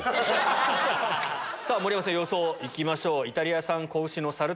盛山さん予想いきましょう。